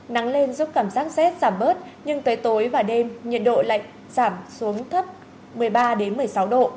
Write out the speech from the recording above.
nắng lên giúp cảm giác rét giảm bớt nhưng tới tối và đêm nhiệt độ lạnh giảm xuống thấp một mươi ba một mươi sáu độ